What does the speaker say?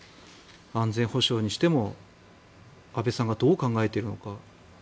安全保障にしても安倍さんがどう考えているのか。